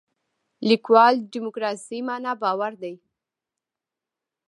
لیکوال دیموکراسي معنا باور دی.